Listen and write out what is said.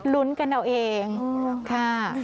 ลุ้นกันเอาเองค่ะ